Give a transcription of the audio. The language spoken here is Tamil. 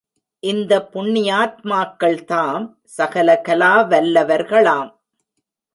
இந்த புண்ணியாத்மாக்கள்தாம் சகலகலா வல்லவர்களாம்!